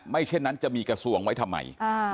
เช่นนั้นจะมีกระทรวงไว้ทำไม